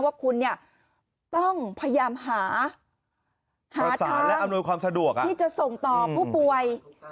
ว่าคุณต้องพยายามหาทางที่จะส่งต่อผู้ป่วย